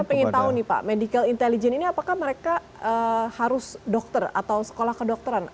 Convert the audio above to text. saya ingin tahu nih pak medical intelligence ini apakah mereka harus dokter atau sekolah kedokteran